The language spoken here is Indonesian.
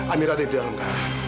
amirah di dalam kamar